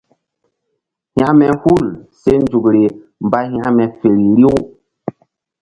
Hekme hul se nzukri mba hekme feri riw.